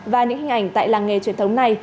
và những hình ảnh tại làng nghề truyền thống này